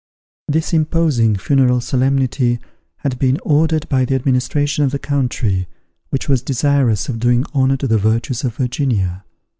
This imposing funeral solemnity had been ordered by the administration of the country, which was desirous of doing honour to the virtues of Virginia.